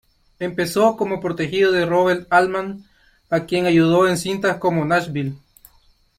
Empezó como protegido de Robert Altman, a quien ayudó en cintas como "Nashville".